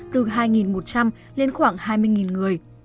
từ hai một trăm linh lên khoảng hai mươi người